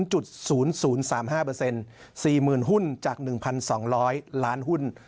๔๐๐๓๕๔๐๐๐หุ้นจาก๑๒๐๐ล้านหุ้น